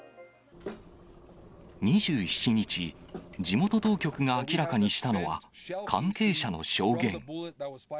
２７日、地元当局が明らかにしたのは、関係者の証言。